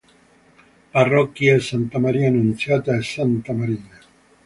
Parrocchie: Santa Maria Annunziata e Santa Marina.